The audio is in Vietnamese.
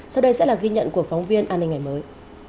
sau đây sẽ là ghi nhận của phóng viên an ninh ngày mới